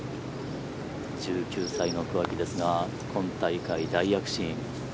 １９歳の桑木ですが今大会、大躍進。